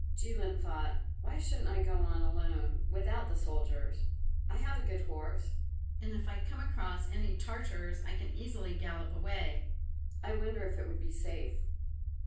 Jilin thought, "Why shouldn't I go on alone without the soldiers? I have a good horse, and if I come across any Tartars I can easily gallop away. I wonder if it would be safe?"